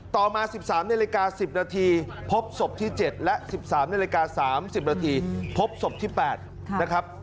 ต่อมา๑๓นาฬิกา๑๐นาทีพบศพที่๗และ๑๓นาฬิกา๓๐นาทีพบศพที่๘นะครับ